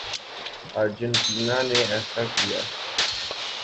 Argentina نے ایسا کیا۔